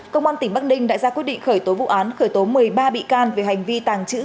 công an tỉnh bắc ninh đã ra quyết định khởi tố vụ án khởi tố một mươi ba bị can về hành vi tàng trữ